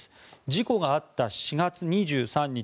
事故があった４月２３日